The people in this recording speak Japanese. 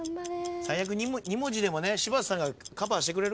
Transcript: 最悪２文字でもね柴田さんがカバーしてくれるから。